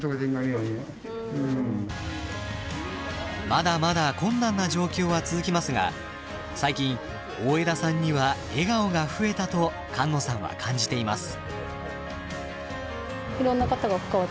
まだまだ困難な状況は続きますが最近大枝さんには笑顔が増えたと菅野さんは感じています。